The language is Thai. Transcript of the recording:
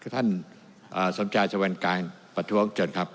คุณท่านสมชายสวัยงการประท้วงเจิญครับ